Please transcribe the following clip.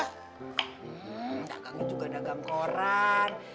hmm dagangnya juga dagang koran